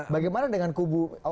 bagaimana dengan kubu